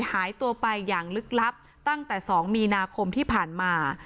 หายตัวไปอย่างลึกลับตั้งแต่๒มีนาคมที่ผ่านมา